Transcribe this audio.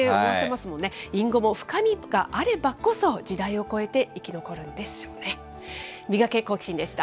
隠語も深みがあればこそ、時代を超えて生き残るんでしょうね。